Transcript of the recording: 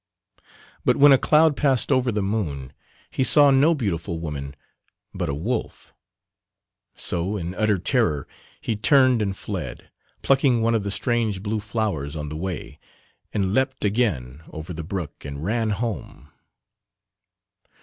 But when a cloud passed over the moon he saw no beautiful woman but a wolf, so in utter terror he turned and fled, plucking one of the strange blue flowers on the way, and leapt again over the brook and ran home.